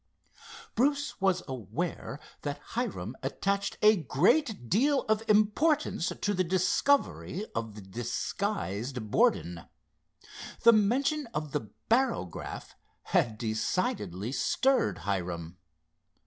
Bruce was aware that Hiram attached a great deal of importance to the discovery of the disguised Borden. The mention of the barograph had decidedly stirred Hiram.